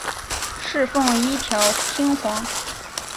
侍奉一条天皇。